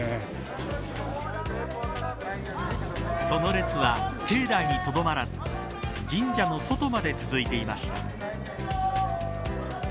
その列は、境内にとどまらず神社の外まで続いていました。